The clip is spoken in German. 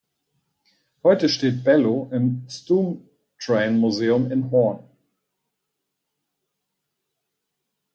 Heute steht "Bello" im "Stoomtrain-Museum" in Hoorn.